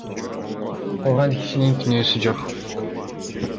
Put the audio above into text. Курган кишинин күнөөсү жок.